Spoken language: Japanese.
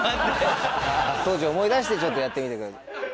当時を思い出してちょっとやってみてください。